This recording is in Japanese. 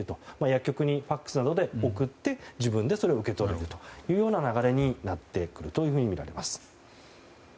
薬局にＦＡＸなどで送って自分で受け取れるというような流れになってくるとみられます。